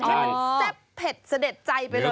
ให้มันแซ่บเผ็ดเสด็จใจไปเลย